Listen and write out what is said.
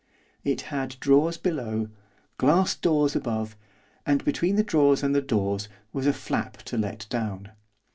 It had drawers below, glass doors above, and between the drawers and the doors was a flap to let down.